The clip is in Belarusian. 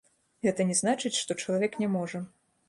Гэта не значыць, што чалавек не можа.